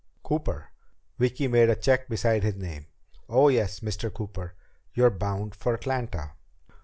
"Cooper." Vicki made a check beside his name. "Oh, yes, Mr. Cooper. You're bound for Atlanta."